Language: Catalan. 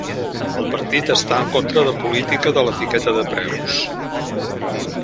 El partit està en contra de política de l'etiqueta de preus.